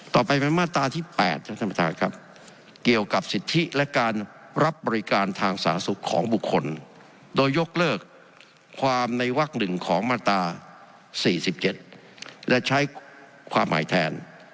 ต่อไปมามาตราที่๘เกี่ยวกับสิทธิและการรับบริการทางสาธารณ์สุขของบุคคลโดยยกเลิกความในวักหนึ่งของมาตรา๔๗และใช้ความหมายแทน